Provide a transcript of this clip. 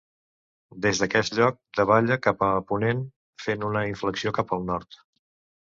Des d'aquest lloc davalla cap a ponent, fent una inflexió cap al nord.